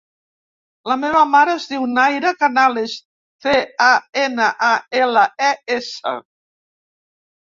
La meva mare es diu Nayra Canales: ce, a, ena, a, ela, e, essa.